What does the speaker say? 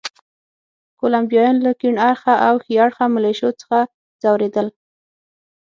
کولمبیایان له کیڼ اړخه او ښي اړخه ملېشو څخه ځورېدل.